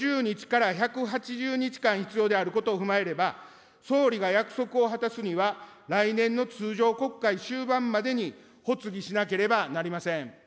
国民投票の実施には、国会発議後６０日から１８０日間必要であることを踏まえれば、総理が約束を果たすには、来年の通常国会終盤までに発議しなければなりません。